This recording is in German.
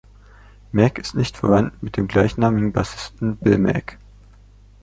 Mack ist nicht verwandt mit dem gleichnamigen Bassisten Bill Mack.